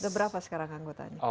seberapa sekarang anggotanya